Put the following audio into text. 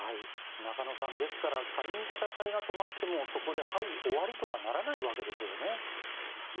中野さんですから仮に戦いが止まってもそこで、はい終わりとはならないわけですよね。